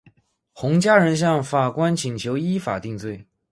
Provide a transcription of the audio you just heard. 洪家人向法官请求依法定罪。